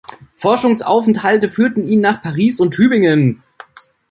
Forschungsaufenthalte führten ihn nach Paris und Tübingen.